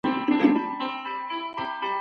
قانونيت به د هر سياسي نظام بنسټ وي.